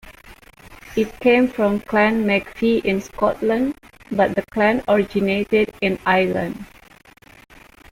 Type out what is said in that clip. It came from Clan Macfie in Scotland, but the clan originated in Ireland.